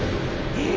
えっ？